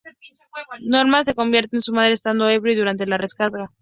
Norman se convierte en su madre estando ebrio y durante la resaca.